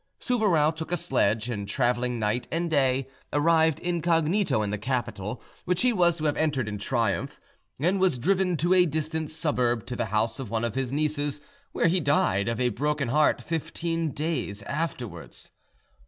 Souvarow took a sledge, and, travelling night and day, arrived incognito in the capital, which he was to have entered in triumph, and was driven to a distant suburb, to the house of one of his nieces, where he died of a broken heart fifteen days afterwards.